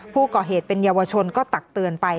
ผู้ก่อเหตุเป็นเยาวชนก็ตักเตือนไป